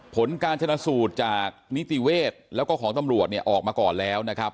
ผลการชนะสูตรจากนิติเวศแล้วก็ของตำรวจเนี่ยออกมาก่อนแล้วนะครับ